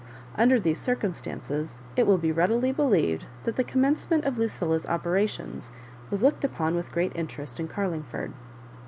Under these circumstances it will be readily believed that the commencement of Lucilla's operations was looked upon with great interest in Carlingford.